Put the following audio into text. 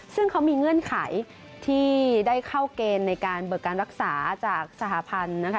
ซึ่งเขามีเงื่อนไขที่ได้เข้าเกณฑ์ในการเบิกการรักษาจากสหพันธ์นะคะ